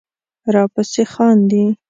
راپسې خاندې